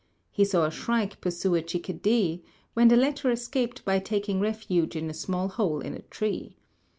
He saw a shrike pursue a chickadee, when the latter escaped by taking refuge in a small hole in a tree.